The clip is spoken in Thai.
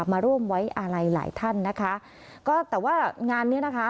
มาร่วมไว้อาลัยหลายท่านนะคะก็แต่ว่างานเนี้ยนะคะ